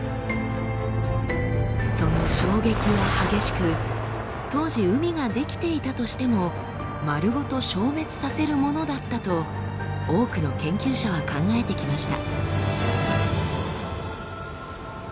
その衝撃は激しく当時海が出来ていたとしても丸ごと消滅させるものだったと多くの研究者は考えてきました。